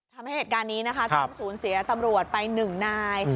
ทำให้เหตุการณ์นี้นะคะทั้งศูนย์เสียตำรวจไป๑นาย